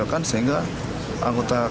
kemudian terjadi penyelamat